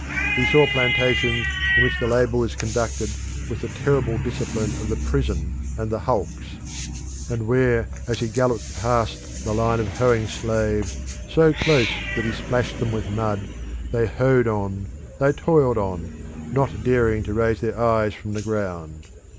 He saw plantations in which the labour was conducted with the terrible discipline of the prison and the hulks; and where as he galloped past the line of hoeing slaves, so close that he splashed them with mud, they hoed on, they toiled on, not daring to raise their eyes from the ground.